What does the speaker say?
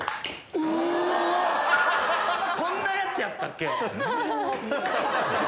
こんなやつやったっけ？